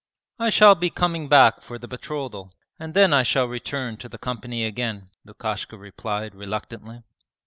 'I shall be coming back for the betrothal, and then I shall return to the company again,' Lukashka replied reluctantly.